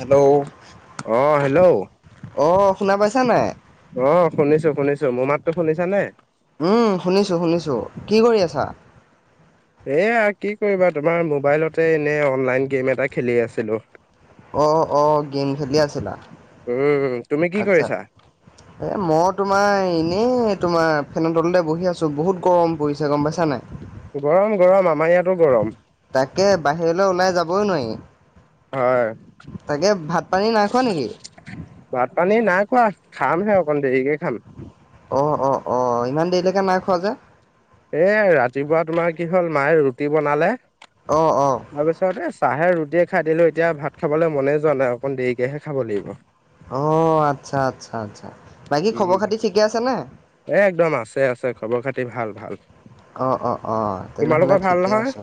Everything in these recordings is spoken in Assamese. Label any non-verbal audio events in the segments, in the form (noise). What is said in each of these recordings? হেল্ল' অূহ হেল্ল' অ' শুনা পাইছা নাই? অহ শুনিছো শুনিছো মোৰ মাতো শুনিছা নে উম শুনিছোঁ শুনিছো কি কৰি আছা এয়া কি কৰিবা তোমাৰ মোবাইলতে এনে অনলাইন গেম এটা খেলি আছিলো অ অ গেম খেলি আছে উম তুমি কি আচ্ছা কৰিছা? এ মই তোমাৰ নাই এনেই তোমাৰ ফেনৰ তলতে বহি আছো বহুত গৰম পৰিছে গম পাইছা নাই গৰম গৰম আমাৰ ইয়াতো গৰম তাকে বাহিৰলৈ ওলাই যাবই নোৱাৰি হয় তাকে ভাত পানী নাই খোৱা নেকি? ভাত পানী নাক কোৱা খাম সে অকণ দেৰিকে খাম অ অ অ ইমান দেৰিলৈকে নাই খোৱা যে এ ৰাতিপুৱা তোমাৰ কি হল মায়ে ৰুটি বনালে অ' অ' তাৰপিছতে চাহে ৰুটিয়ে খাই দিলো এতিয়া ভাত খাবলৈ মনে যোৱা নাই অকণ দেৰিকেহে খাব লাগিব অ আচ্ছা আচ্ছা আচ্ছা বাকী খবৰ উম, খাতি ঠিকে আছে ন এ একদম আছে আছে খবৰ খাতি ভাল ভাল অ অ অ তেনেহলে তোমালোকৰ ভাল ঠিকে নহয়? আছ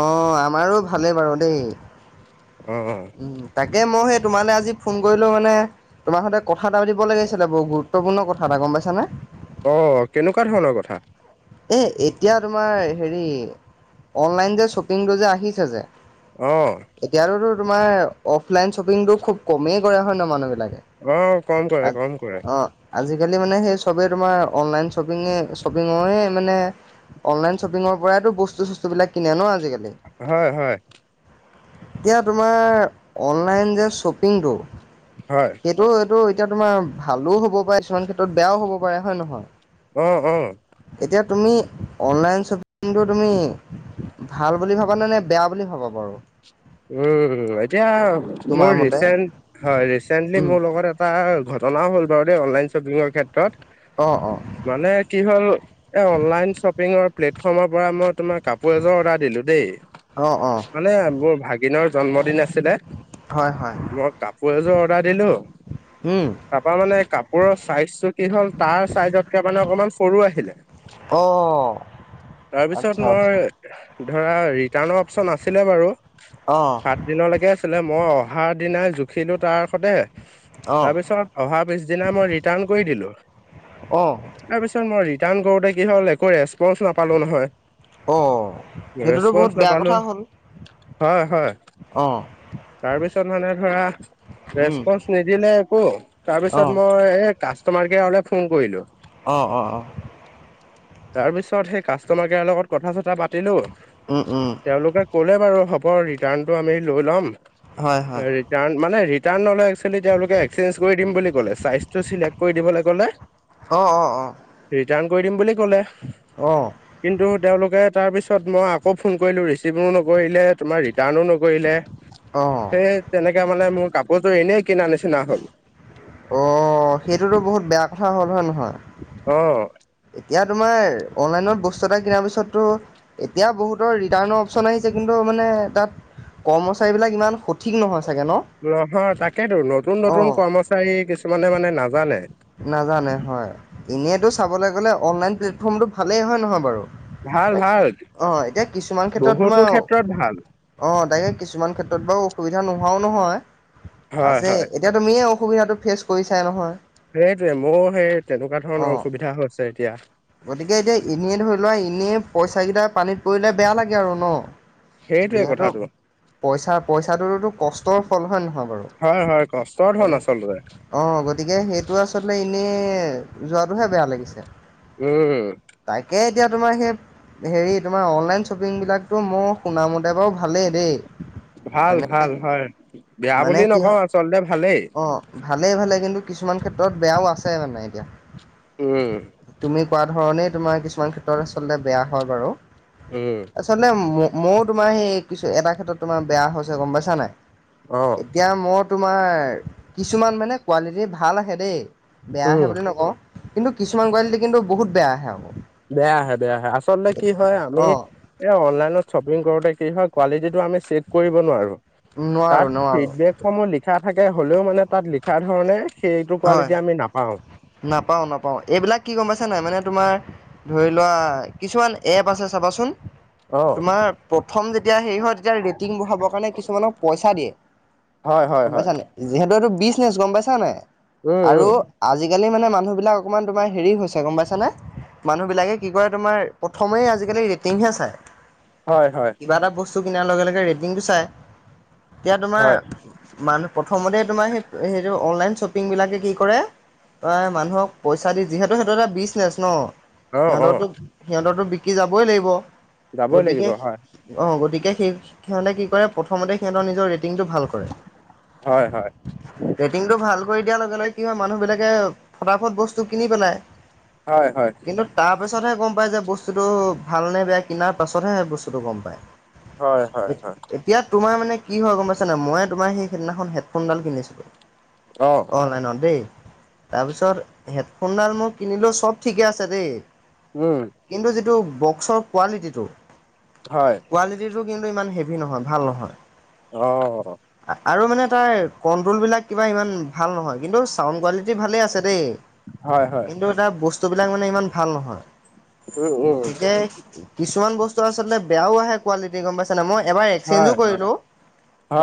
অ আমাৰো ভালেই বাৰু দেই অ এ মই সেই তোমালে আজি ফোন কৰিলো মানে তোমাৰ সৈতে কথা এটা দিব লাগিছিলে বহু গুৰুত্বপূৰ্ণ কথা এটা গম পাইছা নে অ কেনেকুৱা ধৰণৰ কথা এই এতিয়া তোমাৰ হেৰি অনলাইন যে শ্বপিংটো যে আহিছে যে। অহ ', এতিয়াতোতো তোমাৰ অফলাইন শ্বপিং তটো খুব কমেই কৰা হয় ন মানুহ বিলাক। অ', কম কৰে, কম কৰে, অ, আজিকালি মানে সেই চবে তোমাৰ অনলাইন শ্বপিঙে - শ্বপিঙয়ে মানে অনলাইন শ্বপিঙৰ পৰাইো বস্তু চস্তু বিলাক কিনে ন আজিকালি। হয় - হয়। এতিয়া তোমাৰ অনলাইন যে শ্বপিংটো হয়, সেইটো এইটো। এতিয়া তোমাৰ ভালো হ'ব পাৰে কিছুমান ক্ষেত্ৰত বেয়াও হ'ব পাৰে হয় নে নহয়। উম - উম। এতিয়া তুমি অনলাইন শ্বপিংটো তুমি ভাল বুলি ভাবা নে- নে বেয়া বুলি ভাবা বাৰু। উম, এতিয়া মোৰ তোমাৰ মতে ৰিচেন্ট হয় ৰিচেন্টলি উম মোৰ লগত এটা ঘটনাও হ'ল বাৰু দেই অনলাইন শ্বপিঙৰ ক্ষেত্ৰত। অঁ অঁ মানে কি হ'ল এ অনলাইন শ্বপিঙৰ প্লেটফৰ্মৰ পৰা মই তোমাক কাপোৰ এযোৰ অৰ্ডাৰ দিলো দেই অঁ অঁ মানে মোৰ ভাগিনৰ জন্মদিন আছে। হয় হয় মই কাপোৰ এযোৰ অৰ্ডাৰ দিলো। উম তাৰাপা মানে কাপোৰৰ চাইজটো কি হ'ল তাৰ চাইজতকে মানে অকমান সৰু আহিলে। অ - অ - অ। তাৰপিছত মই ধৰা ৰিটাৰ্ণৰ অপচন আছিলে বাৰু। অঁ সাত দিনলৈকে আছিলে মই অহাৰ দিনাই জুখিলো তাৰ সতে অঁ তাৰপিছত অহা পিছদিনা মই ৰিটাৰ্ণ কৰি দিলো। অঁ তাৰ পিছত মই ৰিটাৰ্ণ কৰোতে কি হ'ল একো ৰেচপন নাপালো নহয়। অ, সেইটোতো ৰেচপন্ঞ্চ বহুত বেয়া নাপালো কথা হ'ল হয় হয় অ, তাৰপিছত মানে ধৰা উম ৰেচপনচ নিদিলে একো অঁ তাৰপিছত মই কাষ্টমাৰ কেয়াৰলে ফোন কৰিলো। অ - অ - অ। তাৰ পিছত সেই কাষ্টমাৰ কেয়াৰ লগত কথা চথা পাতিলো। উম পাতিলো উম তেওলোকে ক'লে বাৰু হ'ব ৰিটাৰ্ণটো আমি লৈ ল'ম। হয় হয় ৰিটাৰ্ণ মানে ৰিটাৰ্ণ ললে। একচোৱেলী তেওলোকে এক্সচেঞ্জ কৰি দিম বুলি ক'লে চাইজটো চিলেক্ট কৰি দিবলে ক'লে। অ - অ। ৰিটাৰ্ণ কৰি দিম বুলি ক'লে কিন্তু তেওলোকে তাৰপিছত তাৰপিছত মই আকৌ ফোন কৰিলো ৰিচিভো নকৰিলে তোমাৰ ৰিটাৰ্ণো নকৰিলে। অঁ সেই তেনেকে মানে মোৰ কাপোৰজোৰ এনেই কিনা নিচিনা হ'ল। অ, সেইটোতো বহুত বেয়া কথা হ'ল হয় নহয়। অ', এতিয়া তোমাৰ অনলাইনত বস্তু এটা কিনাৰ পিছততো এতিয়া বহুত ৰিটাৰ্ণ অপচন আহিছে কিন্তু মানে তাত কৰ্মচাৰী বিলাক ইমান সঠিক নহয়। চাগে ন? নহয় তাকেতো নতুন - নতুন অ', কৰ্মচাৰী কিছুমানে মানে নাজানে। নাজানে হয় ইনটো চাবলৈ গলে অনলাইন প্লেটফৰ্মতটো ভালেই হয় নহয় বাৰু। ভাল ভাল অ, এতিয়া কিছুমান ক্ষেত্ৰত বহুতো তোমাৰ ক্ষেত্ৰত ভাল অ, তাকে কিছুমান ক্ষেত্ৰত বাৰু অসুবিধা নহয়। নোহোৱাও নহয় হয় আছে হয়। এতিয়া তুমিয়ে অসুবিধাটো ফেচ কৰিছাই নহয়। সেইটোৱে মোৰ সেই তেনেকুৱা ধৰণৰ অ'। অসুবিধা হৈছে এতিয়া। গতিকে এতিয়া কৰিলে বেয়া লাগে আৰু ন। সেইটোৱে যিহেতু কথাটো। পইচা পইচাটোততো কষ্টৰ ফল হয় নহয় বাৰু। হয় হয় কষ্টৰ ধন তাকে আচলতে অ, গতিকে সেইটো আচলতে ইনে যোৱাটোহে বেয়া লাগিছে। উম, তাকে এতিয়া তোমাৰ সেই হেৰি তোমাৰ অনলাইন শ্বপিং বিলাকতো মোৰ শুনা মতে এতিয়া বাৰু ভালেই দেই, ভাল ভাল মানে হয়। বেয়া মানে বুলি কি নকওঁ হয় আচলতে ভালেই অ ভালেই ভালে কিন্তু কিছুমান ক্ষেত্ৰত বেয়াও আছে মানে এতিয়া। উম। তুমি কোৱা ধৰণেই তোমাৰ কিছুমান ক্ষেত্ৰত আচলতে বেয়া হয় বাৰু উম আচলতে। ময়ো তোমাৰ সেই কিছু এটা ক্ষেত্ৰত তোমাৰ বেয়া হৈছে গম পাইছা নাই অ' এতিয়া মোৰ তোমাৰ কিছুমান মানে কোৱালিটি ভাল আহে দেই বেয়া উম। আহে বুলি নকওঁ। কিন্তু কিছুমান কোৱালিটি কিন্তু বহুত বেয়া আহে আকৌ। বেয়া আহে বেয়া আহে আচলতে কি হয় আমি অ' এই অনলাইনত শ্বপিং কৰোতে কি হয় কোৱালিটি আমি চেক কৰিব নোৱাৰো নোৱাৰো তাত নোৱাৰো ফিডবেক সমূহ লিখা থাকে হ'লেও মানে তাত লিখা ধৰণে সেইটো হয় কোৱালিটি আমি নাপাওঁ। নাপাওঁ নাপাওঁ, এইবিলাক কি গম পাইছা নাই মানে তোমাৰ ধৰি লোৱা কিছুমান এপ আছে চাবাচোন অ', তোমাৰ প্ৰথম যেতিয়া হেৰি হয় তেতিয়া ৰেটিং বোৰ হ'বৰ কাৰণে কিছুমানক পইচা দিয়ে হয় হয় গম হয়, পাইছা নাই যিহেতু এইটো বিজনেচ গম পাইছা নাই উম আৰু উম, আজিকালি আজিকালি মানে মানুহবিলাক অকণমান তোমাৰ হেৰি হৈছে গম পাইছানে মানুহ বিলাকে কি কৰে তোমাৰ প্ৰথমে আজিকালি ৰেটিংহে চাই। হয় হয়। কিবা এটা বস্তু কিনাৰ লগে লগে ৰেটিংটো চাই এতিয়া তোমাৰ হয়, মানুহ প্ৰথমতে তোমাৰ সেই অনলাইন শ্বপ -পিংবিলাকে কি কৰে মানুহক পইচা দি যিহেতু সেইটো এটা বিজনেচ ন'। অ', সিহঁতৰতো অ'। সিহঁতৰতো বিকি যাবই লাগিব যাবই গতিকে লাগিব হয়, অ', গতিকে সেই সিহঁতে কি কৰে প্ৰথম সিহঁতৰ নিজৰ ৰেটিংটো ভাল কৰে, হয় হয়, ৰেটিংটো ভাল (unintelligible) লগে লগে কি হয় মানুহ বিলাকে ফটাফট বস্তু কিনি পেলাই। হয় হয়, কিন্তু তাৰ পিছতহে গম পাই যে বস্তু বস্তুটো ভাল নে বেয়া কিনাৰ পাছতহে বস্তুটো গম পায়। হয় এ হয় হয়, এতিয়া তোমাৰ মানে কি হয় গম পাইছ নে মই তোমাৰ সেই সেইদিনাখন হেডফোনডাল কিনিছিলো অ', অনলাইনত দেই তাৰপিছত হেডফোনডাল মই কিনিলোঁ চব ঠিকে আছে দেই উম। কিন্তু যিটো বক্সৰ কোৱালিটিটো হয়। কোৱালিটিটো কিন্তু ইমান হেভি নহয় ভাল নহয়। অ'। আৰু মানে তাৰ কণ্ট্ৰলবিলাক কিবা ইমান ভাল নহয় কিন্তু চাউণ্ড কোৱালিটি ভালেই আছে দেই হয় হয়, কিন্তু এটা বস্তুবিলাক মানে ইমান ভাল নহয়। উম উম, গতিকে কিছুমান বস্তু আচলতে বেয়াও আহে কোৱালিটি গম পাইছ নে মই এবাৰ এক্সেঞ্জো হয় হয়। কৰিলো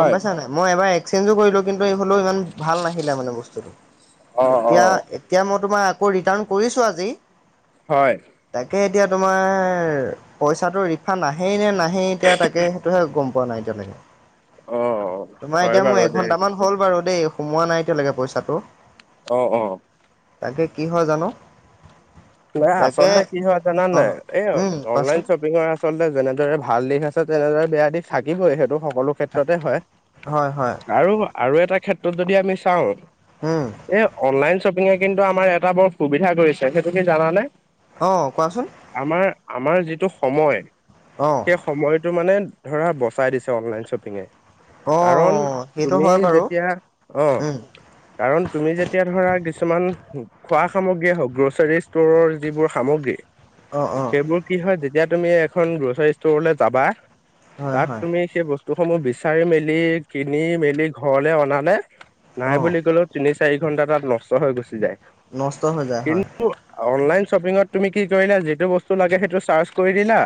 গম পাইছা নাই মই এবাৰ এক্সচেঞ্জো কৰিলো কিন্তু হ'লেও ইমান ভাল নাহিলে মানে বস্তুটো অ', এতিয়া অ', এতিয়া তোমাৰ আকৌ ৰিটাৰ্ণ কৰিছো আজি। হয় তাকে এতিয়া তোমাৰ পইচাটো ৰিফাণ্ড আহেই নে নাহেই এতিয়া তাকে সেইটোহে গম পোৱা নাই এতিয়ালৈকে অ', তোমাৰ হয় এতিয়া মোৰ বাৰু দেই, এঘন্টামান হ'ল বাৰু দেই সোমোৱা নাই। এতিয়ালৈকে পইচাটো। অ', অ'। তাকে কি হয় জানো। নাই তাকে আচলতে কি হয় জান অঁ নাই এই উম অনলাইন কোৱাচোন শ্বপিংৰ আ আচলতে যেনেদৰে ভাল দিশ আছে তেনেদৰে বেয়া দিশ থাকিবই সেইটো। সকলো ক্ষেত্ৰতে হয় হয় হয় আৰু আৰু এটা ক্ষেত্ৰত যদি আমি চাওঁ উম এ অনলাইন শ্বপিঙে কিন্তু আমাৰ এটা বৰ সুবিধা কৰিছে। সেইটো কি জানানে? অ। কোৱাচোন আমাৰ আমাৰ যিটো সময়, অঁ সেই সময়টো মানে ধৰা বচাই দিছে অনলাইন শ্বপিঙে। কাৰণ অঁ সেইটো তুমি হয় বাৰু যেতিয়া অ উম কাৰণ তুমি যেতিয়া ধৰা কিছুমান খোৱা সামগ্ৰী হওক, গ্ৰ'চাৰী ষ্টৰৰ যিবোৰ সামগ্ৰী অঁ অঁ সেইবোৰ কি হয়। যেতিয়া তুমি এখন গ্ৰ'চাৰী ষ্টৰলৈ যাবা হয় তাক হয় তুমি সেই বস্তুসমূহ বিচাৰি মেলি, কিনি মেলি ঘৰলে অনালে নাই অঁ বুলি কলেও তিনি-চাৰি ঘন্টা তাত নষ্ট হৈ গুচি যায়। নষ্ট হৈ যায়। কিন হয়। অনলাইন শ্বপিঙত তুমি কি কৰিলা, যিটো বস্তু লাগে সেইটো চাৰ্চ কৰি দিলা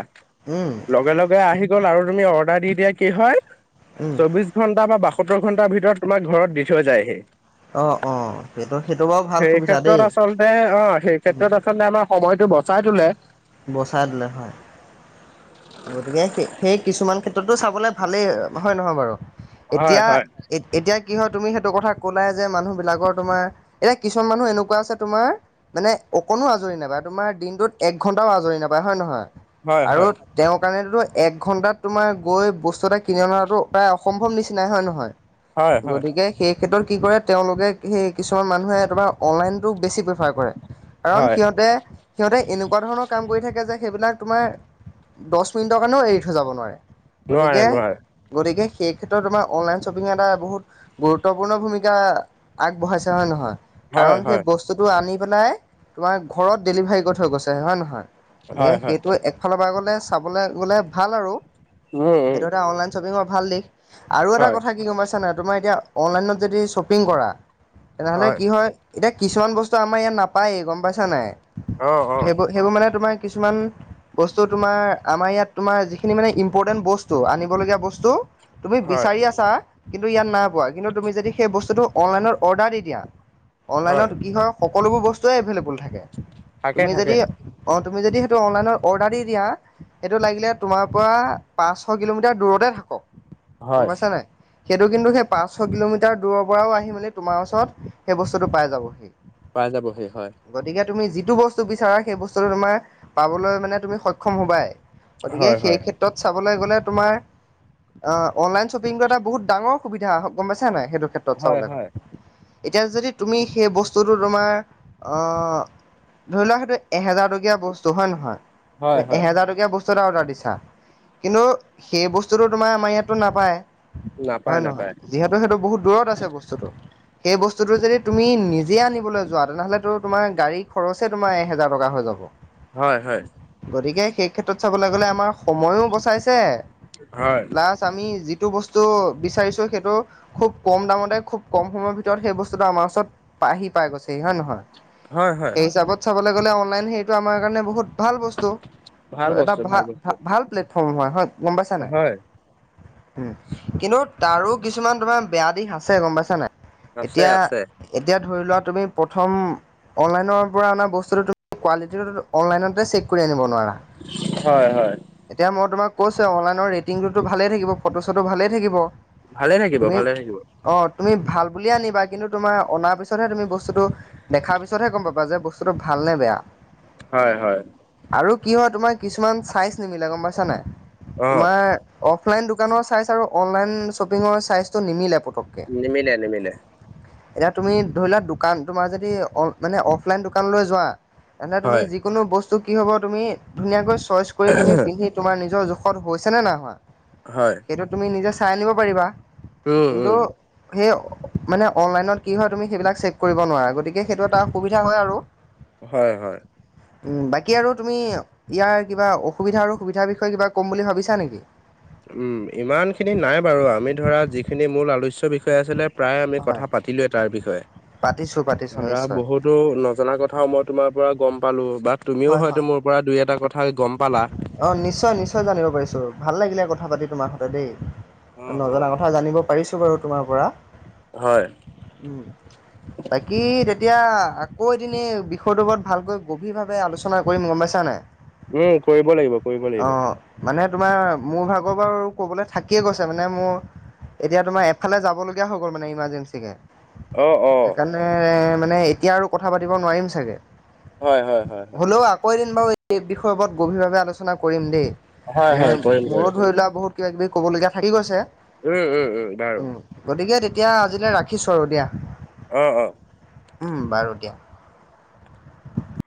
উম লগে লগে আহি গ'ল আৰু তুমি অৰ্ডাৰ দি দিয়া কি হয় উম চৌবিশ ঘণ্টা বা বাসত্তৰ ঘণ্টাৰ ভিতৰত তোমাক ঘৰত দি থৈ যায়হি। অ অ সেইটো সেইটো বাৰু ভাল সেই সুবিধা ক্ষেত্ৰত দেই। আচলতে অ সেই ক্ষেত্ৰত আচলতে আমাৰ সময়তটো বচাই তোলে। বচাই দিলে হয়। গতিকে সেই কিছুমান ক্ষেত্ৰতো চাবলৈ ভালেই। হয় নহয় বাৰু? হয় এতিয়া, হয় এতিয়া কি হয় তুমি সেইটো কথা ক'লাই যে মানুহবিলাকৰ তোমাৰ, এতিয়া কিছুমান মানুহ এনেকুৱা আছে তোমাৰ মানে অকণো আজৰি নাপায়। তোমাৰ দিনটোত এক ঘণ্টাও আজৰি নাপায়। হয় নহয়? হয়। হয়। কাৰণতো এক ঘণ্টাত তোমাৰ গৈ বস্তু এটা কিনি অনাটো প্ৰায় অসম্ভৱ নিচিনাই। হয় নহয়? হয় হয় গতিকে সেই ক্ষেত্ৰত কি কৰে, তেওঁলোকে সেই কিছুমান মানুহে তোমাৰ অনলাইনতো বেছি সহায় কৰে। কাৰণ হয় সিহঁতে সিহঁতে এনেকুৱা ধৰণৰ কাম কৰি থাকে যে সেইবিলাক তোমাৰ দহ মিনিটৰ কাৰণেও এৰি থৈ যাব নোৱাৰে। গতিকে, নোৱাৰে নোৱাৰে গতিকে সেই ক্ষেত্ৰত আমাৰ অনলাইন শ্বপিং এটা বহুত গুৰুত্বপূৰ্ণ ভূমিকা আগবঢ়াইছে। হয় নহয়? হয় কাৰণ সেই হয় বস্তুটো আনি পেলাই, তোমাৰ ঘৰত ডেলিভাৰী কৰি থৈ গৈছে। হয় নহয়? গতিকে হয় হয় সেইটো একফালৰ পৰা গলে চাবলৈ গ'লে ভাল আৰু উম উম সেইটো এটা অনলাইন শ্বপিঙৰ ভাল দিশ আৰু এটা হয় কথা কি গম পাইছা নে তোমাৰ এতিয়া অনলাইনত যদি শ্বপিং কৰা, তেনেহ'লে কি হয় (unintelligible) কিছুমান অ অ বস্তু তোমাৰ আমাৰ ইয়াত তোমাৰ যিখিনি মানে ইম্পৰ্টেণ্ট বস্তু, আনিবলগীয়া বস্তু তুমি হয় বিচাৰি আছা কিন্তু ইয়াত নাই পোৱা। কিন্তু তুমি যদি সেই বস্তুটো অনলাইনত অৰ্ডাৰ দি দিয়া, হয় অনলাইনত কি হয়ওক সকলোবোৰ বস্তুৱে এভেইলেবল থাকে। থাকে তুমি থাকে যদি তুমি যদি সেইটো অনলাইনত অৰ্ডাৰ দি দিয়া সেইটো লাগিলে তোমাৰ পৰা পাঁচশ কিলোমিটাৰ দূৰতে থাকক গম। হয়। পাইছ নে? সেইটো কিন্তু সেই পাঁচশ কিলোমিটাৰ দূৰৰ পৰাও আহি মেলি তোমাৰ ওচৰত সেই বস্তুটো পাই যাবহি। পাই যাবহি হয়। গতিকে তুমি যিটো বস্তু বিচাৰা সেই বস্তুতটো তোমাৰ পাবলৈ মানে তুমি সক্ষম হোবাই। গতিকে হয় সেই হয় ক্ষেত্ৰত চ লৈ গলে তোমাৰ অ অনলাইন শ্বপিংটো এটা বহুত ডাঙৰ সুবিধা। গম পাইছা নে নাই? সেইটো ক্ষেত্ৰত হয় চাবলৈ হ'লে। হয় এতিয়া যদি তুমি সেই বস্তুটো তোমাৰ ধৰি লোৱাক সেইটো এহেজাৰ টকীয়া বস্তু হয় নহয়, হয় হয় এহেজাৰ টক বস্তু এটা অৰ্ডাৰ দিছা। কিন্তু সেই বস্তুটো তোমাৰ আমাৰ ইয়াততো নাপায়, হয় নাপায় নহয়? নাপায় যিহেতু সেইটো বহুত দূৰত আছে বস্তুটো। সেই বস্তুটো যদি তুমি নিজে আনিবলৈ যোৱা তেনেহ'লে তো তোমাৰ গাড়ী খৰচে তোমাৰ এহেজাৰ টকা হৈ যাব। হয় হয় গতিকে সেই ক্ষেত্ৰত চাবলৈ গ'লে আমাৰ সময়ও বচাইছে হয় লাষ্ট আমি যি যিটো বস্তু বিচাৰিছো সেইটো খুব কম দামতে খুব কম সময়ৰ ভিতৰত সেই বস্তুটো আমাৰ ওচৰত আহি পাই গৈছে হয় নে নহয় হয় হয় এই হিচাপত চাবলৈ গ'লে অনলাইন হেইটো আমাৰ কাৰণে বহুত ভাল বস্তু ভাল এটা বস্তু ভ ভাল বস্তু ভাল প্লেটফৰ্ম হয় হয় গম পাইছা নাই হয় উ কিন্তু তাৰো কিছুমান তোমাৰ বেয়া দিশ আছে গম পাইছা নাই। আছে এতিয়া আছে এতিয়া ধৰি লোৱা তুমি প্ৰথম অনলাইনৰ পৰা অনা বস্তুটো কোৱালিটি অনলাইনতে চেক কৰি আনিব নোৱাৰা। হয় হয় এতিয়া মই তোমাক কৈছে অনলাইনৰ ৰেটিংটোতো ভালেই থাকিব ফটো চটো ভালেই থাকিব ভালে থাকিব তুমি ভালে থাকিব। অ' তুমি ভাল বুলি আনিবা কিন্তু তুমাৰ অনাৰ পিছতহে তুমি বস্তুটো দেখাৰ পিছতহে গম পাবা যে বস্তুতটো ভাল ভালে নে বেয়া। হয় হয়। আৰু কি হয় তোমাৰ কিছুমান চাইজ নিমিলে গম পাইছানাই। অ তোমাৰ অফলাইন দোকানৰ চাইজ আৰু অনলাইন শ্বপিঙৰ চাইজটো নিমিলে পতককে। নিমিলে নিমিলে। এতিয়া তুমি ধৰি লোৱা দোকান তোমাৰ যদি মানে অফলাইন দোকানলৈ যোৱা? এনে তুমি হয় যিকোনো বস্তু কি হব, তুমি ধুনীয়াকৈ চইচ কৰি তুমি পিন্ধি তোমাৰ নিজৰ জ ষধ হৈছেনে নাই হোৱা হয় সেইটো তুমি নিজে চাই আনিব পাৰিবা। উম উম। সেও মানে অনলাইনত কি হয় সেইবিলাক চেক কৰিব নোৱাৰা গতিকে সেইটো এটাসুবিধা হয় আৰু। হয় হয়। বাকী আৰু তুমি ইয়াৰ কিবা অসুবিধা আৰু সুবিধাৰ বিষয়ে কিবা ক'ম বুলি ভাবিছা নেকি? উম ইমান খিনি নাই বাৰু আমি ধৰা যিখিনি মূল আলোচ্য বি বিষয়ে আছিলে প্ৰায় আমি হয়। কথা পাতিলোৱে তাৰ বিষয়ে। পাতিছোঁ পাতিছোঁ দৰা নিশ্চয়। বহুতো নজনা কথাও মই তোমাৰ পৰা গম পালো বা তুমিও হয় হয়তো হয় মোৰ পৰা দুই এটা কথা গম পালা। অ নিশ্চয় নিশ্চয় জানিব পাৰিছো ভাল লাগিলে কথা পাতি তোমাৰ হতে দেই। নজনা কথা জানিব পাৰিছো বাৰু তোমাৰ পৰা। হয়। উ বাকী তেতিয়া আকৌ এদিনে বিষয়টোৰ ওপৰত ভালকৈ গভীৰ ভাৱে আলোচনা কৰিম গম পাইছানে। উম কৰিব লাগিব। কৰিব অ লাগিব। মানে তোমাৰ মোৰ ভাগৰ বাৰু ক'বলৈ থাকিয়ে গৈছে মানে মোৰ এতিয়া তোমাৰ এফালে যাব লগগীয়া হৈ গল, মানে ইমাৰৰ্জেঞ্চি কে। অ', অ', সেইকাৰণে মানে এতিয়া আৰু কথা পাতিব নোৱাৰিম চাগে। হয় হয় হয় হয়। হ'লেও আকৌ বাৰু এদিন এই বিষয়ৰ ওপৰত গভীৰভাৱে আলোচনা কৰিম দেই হয়, মানে হয়, কৰিম মোৰো কৰিম। ধৰি লোৱা বহুত কিবা কিবি কবলগীয়া থাকি গৈছে। উম উম উম বাৰু। এতিয়া আজিলৈ ৰাখিছোঁ আৰু দিয়া। আহ অ। উম বাৰু দিয়া।